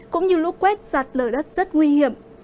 cũng như lũ quét sạt lở đất rất nguy hiểm